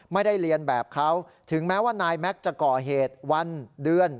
ไม่ได้เรียนแบบเขาถึงแม้ว่านายแม็กซ์จะก่อเหตุวันเดือน